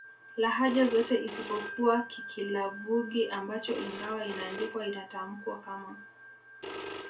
lahaja zote isipokuwa Kikilavwugi ambacho ingawa inaandikwa inatamkwa kama